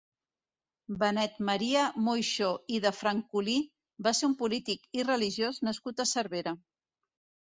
Benet Maria Moixó i de Francolí va ser un polític i religiós nascut a Cervera.